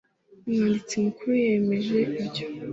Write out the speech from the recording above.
umwanditsi mukuru yemeje ibyo